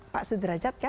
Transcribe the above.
pak sudrajat kan